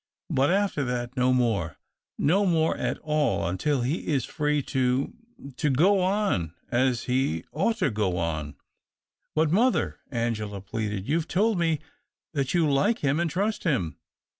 But, after that, no more — no more at all, until he is free to — to go on as he ought to go on." "But, mother," Angela pleaded, "you've told me that you like him and trust him.